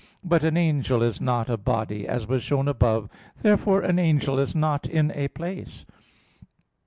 But an angel is not a body, as was shown above (Q. 50). Therefore an angel is not in a place.